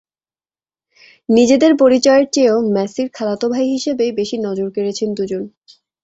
নিজেদের পরিচয়ের চেয়েও মেসির খালাতো ভাই হিসেবেই বেশি নজর কেড়েছেন দুজন।